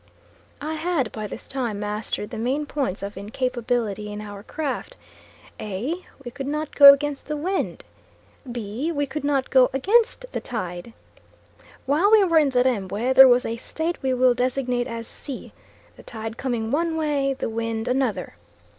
I had by this time mastered the main points of incapability in our craft. A. we could not go against the wind. B. we could not go against the tide. While we were in the Rembwe there was a state we will designate as C the tide coming one way, the wind another.